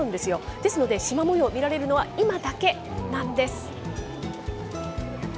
ですのでしま模様、見られるのは今だけなんです。